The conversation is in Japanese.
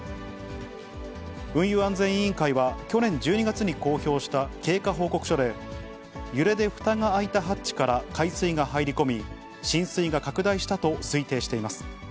運輸安全委員会は去年１２月に公表した経過報告書で、揺れでふたが開いたハッチから海水が入り込み、浸水が拡大したと推定しています。